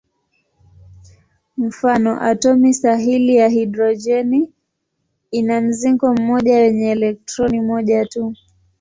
Mfano: atomu sahili ya hidrojeni ina mzingo mmoja wenye elektroni moja tu.